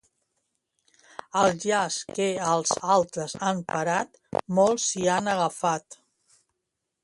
Al llaç que als altres han parat molts s'hi han agafat.